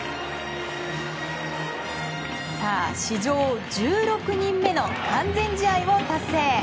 史上１６人目の完全試合を達成。